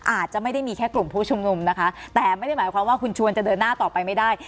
อาจจะไม่ได้มีแค่กลุ่มผู้ชุมนุมนะคะแต่ไม่ได้หมายความว่าคุณชวนจะเดินหน้าต่อไปไม่ได้